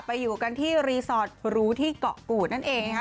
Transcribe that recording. ไปอยู่กันที่รีซอร์ตรูที่เกาะกู่นั่นเองฮะ